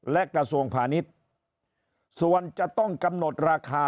และกระทรวงพาณิชย์ส่วนจะต้องกำหนดราคา